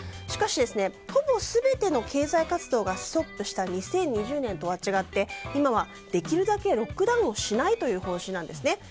しかし、ほぼ全ての経済活動がストップした２０２０年とは違って今はできるだけロックダウンをしないという方針なんですね。